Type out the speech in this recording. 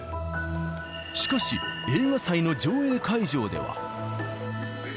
しかし、映画祭の上映会場では。